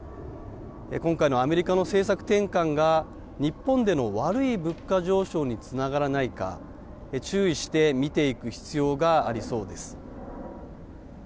今回のアメリカの政策転換が日本での悪い物価上昇につながらないか、注意してみていく必要がありそうです。